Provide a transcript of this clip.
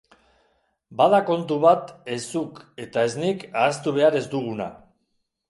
Bada kontu bat ez zuk eta ez nik ahaztu behar ez duguna.